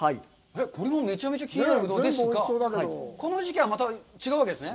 これもめちゃめちゃ気になるんですが、この時期はまた違うわけですね。